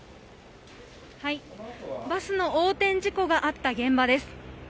バスの横転事故があった現場です。